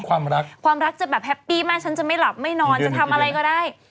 ความรักความรักจะแบบแฮปปี้มากฉันจะไม่หลับไม่นอนจะทำอะไรก็ได้